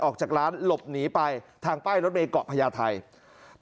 ออกจากร้านหลบหนีไปทางป้ายรถเมยเกาะพญาไทย